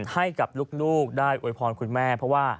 ให้กับลูกได้อวยพรคุณแม่เพราะว่า